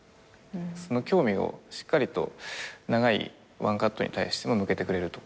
その興味をしっかりと長いワンカットに対しても向けてくれるとか。